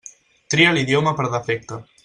Tria l'idioma per defecte.